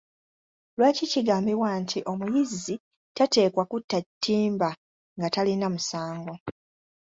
Lwaki kigambibwa nti omuyizzi tateekwa kutta ttimba nga talina musango?